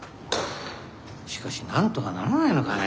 しかしなんとかならないのかね。